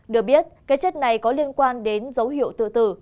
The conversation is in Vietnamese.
được biết cái chết này có liên quan đến dấu hiệu tự tử